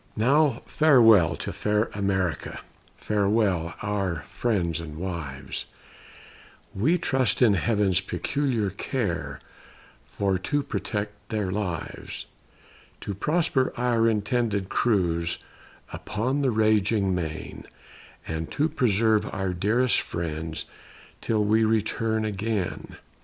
Now farewell to fair America, Farewell our friends and wives; We trust in Heaven's peculiar care For to protect their lives; To prosper our intended cruise Upon the raging main, And to preserve our dearest friends Till we return again.